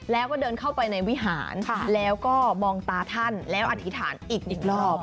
แล้วก็เดินเข้าไปในวิหารแล้วก็มองตาท่านแล้วอธิษฐานอีกรอบ